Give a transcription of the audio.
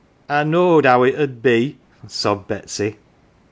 " I knowed how it 'ud be," sobbed Betsy.